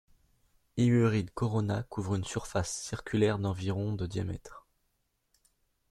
Iweridd Corona couvre une surface circulaire d'environ de diamètre.